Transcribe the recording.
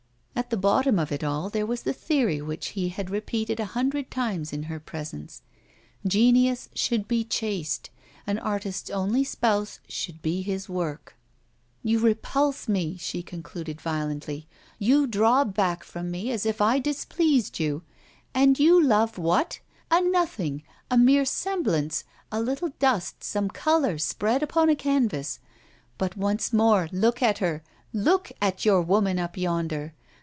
At the bottom of it all, there was the theory which he had repeated a hundred times in her presence: genius should be chaste, an artist's only spouse should be his work. 'You repulse me,' she concluded violently; 'you draw back from me as if I displeased you! And you love what? A nothing, a mere semblance, a little dust, some colour spread upon a canvas! But, once more, look at her, look at your woman up yonder!